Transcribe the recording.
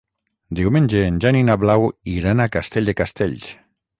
Diumenge en Jan i na Blau iran a Castell de Castells.